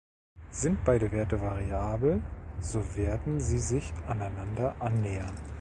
Sind beide Werte variabel, so werden sie sich aneinander annähern.